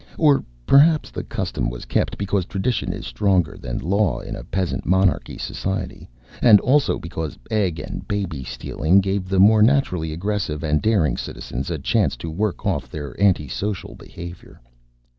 Or perhaps the custom was kept because tradition is stronger than law in a peasant monarchy society and also because egg and baby stealing gave the more naturally aggressive and daring citizens a chance to work off anti social behavior.